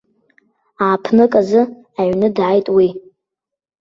Ааԥнык азы аҩны дааит уи.